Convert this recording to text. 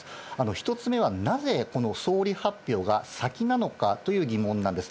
１つ目は、なぜ、この総理発表が先なのかという疑問なんです。